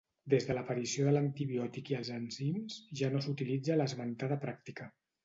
Des de l'aparició de l'antibiòtic i els enzims ja no s'utilitza l'esmentada pràctica.